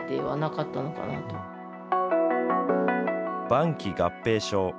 晩期合併症。